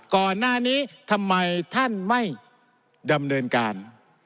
ก่อนหน้านี้ทำไมท่านไม่ดำเนินการ